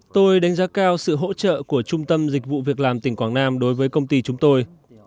tôi đánh giá cao sự hỗ trợ của trung tâm dịch vụ việc làm tỉnh quảng nam đối với công ty chúng tôi